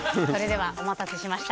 お待たせしました。